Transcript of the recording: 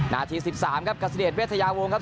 ๑๑นาที๑๓ครับกัรเซีดเวร่ทายาวงค์ครับ